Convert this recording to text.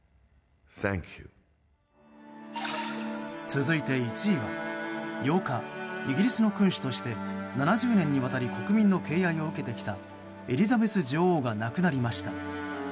続いて１位は８日、イギリスの君主として７０年にわたり、国民の敬愛を受けてきたエリザベス女王が亡くなりました。